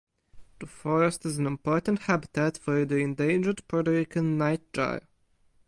The forest is an important habitat for the endangered Puerto Rican nightjar.